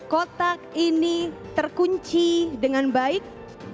kotak ini terkunci dengan baik